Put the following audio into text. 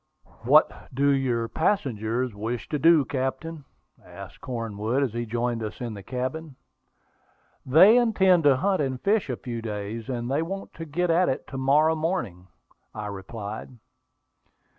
"What do your passengers wish to do, captain?" asked Cornwood, as he joined us in the cabin. "They intend to hunt and fish a few days; and they want to get at it to morrow morning," I replied.